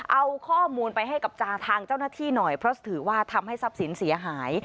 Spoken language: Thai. เอาข้อมูลไปให้กับทางเจ้าหน้าที่หน่อยเพราะถือว่าทำให้ทรัพย์สินเสียหาย